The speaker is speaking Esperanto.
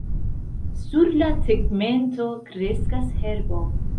Sur la tegmento kreskas herbo.